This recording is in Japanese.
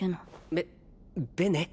ベベネ？